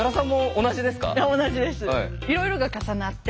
同じです。